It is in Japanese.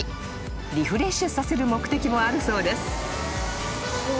［リフレッシュさせる目的もあるそうです］